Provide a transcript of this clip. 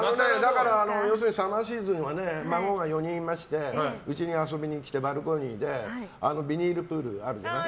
要するにサマーシーズンは孫がいっぱいいましてうちに遊びに来てバルコニーでビニールプールあるじゃない。